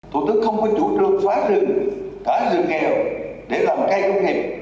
thủ tướng không có chủ trương phá rừng thả rừng nghèo để làm cây công nghiệp